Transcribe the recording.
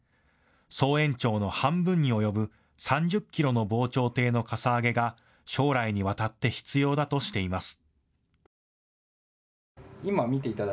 総延長の半分に及ぶ３０キロの防潮堤のかさ上げが将来にわたって必要だとしています。